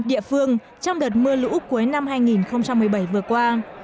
địa phương trong đợt mưa lũ cuối năm hai nghìn một mươi bảy vừa qua